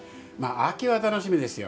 秋は楽しみですよ。